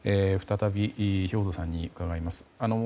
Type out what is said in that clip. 再び、兵頭さんに伺います。